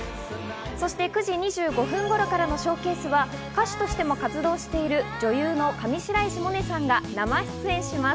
そして９時２５分頃からのＳＨＯＷＣＡＳＥは歌手としても活動をしている女優の上白石萌音さんが生出演します。